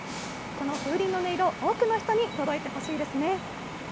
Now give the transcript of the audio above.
この風鈴の音色、多くの人に届いてほしいですね。